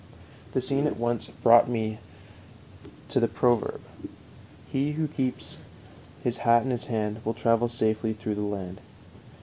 The scene at once brought to my mind the proverb: "He who keeps his hat in his hand will travel safely through the land."